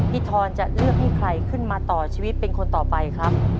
ทอนจะเลือกให้ใครขึ้นมาต่อชีวิตเป็นคนต่อไปครับ